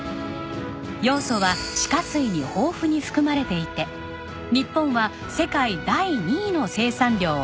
ヨウ素は地下水に豊富に含まれていて日本は世界第２位の生産量を誇ります。